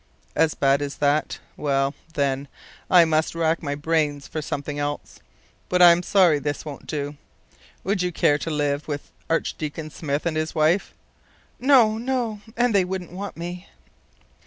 "As bad as that?... Well, then, I must rack my brains for something else. But I'm sorry this won't do. Would you care to live with Archdeacon Smith and his wife?" "No. No! And they wouldn't want me."